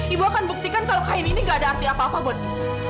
ibu akan buktikan kalau kain ini gak ada arti apa apa buat